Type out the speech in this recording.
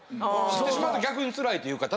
知ってしまうと逆につらいというか。